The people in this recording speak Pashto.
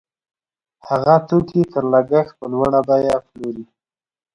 هغه توکي تر لګښت په لوړه بیه پلوري